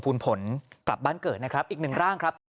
ผลกลับบ้านเกิดนะครับอีกหนึ่งร่างครับ